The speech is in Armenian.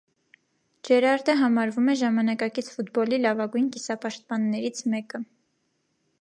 Ջերարդը համարվում է ժամանակակից ֆուտբոլի լավագույն կիսապաշտպաններից մեկը։